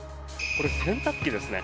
これ、洗濯機ですね。